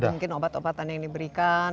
mereka memasukkan obat obatan yang diberikan